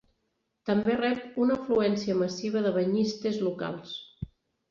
També rep una afluència massiva de banyistes locals.